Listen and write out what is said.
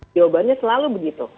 jawabannya selalu begitu